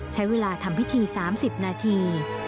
ใช้เวลาทำพิธี๓๐นาที